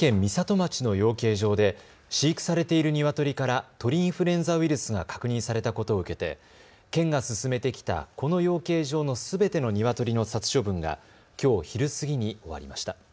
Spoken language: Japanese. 町の養鶏場で飼育されているニワトリから鳥インフルエンザウイルスが確認されたことを受けて県が進めてきたこの養鶏場のすべてのニワトリの殺処分がきょう昼過ぎに終わりました。